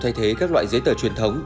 thay thế các loại giấy tờ truyền thống